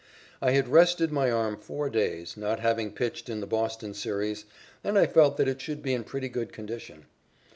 I had rested my arm four days, not having pitched in the Boston series, and I felt that it should be in pretty good condition.